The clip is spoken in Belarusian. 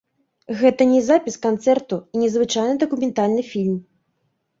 Гэта не запіс канцэрту і не звычайны дакументальны фільм.